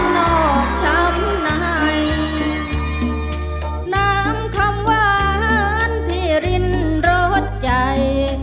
น้ำคำวานที่รินรสใจ